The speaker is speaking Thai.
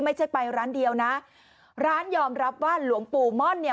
ไม่ใช่ไปร้านเดียวนะร้านยอมรับว่าหลวงปู่ม่อนเนี่ย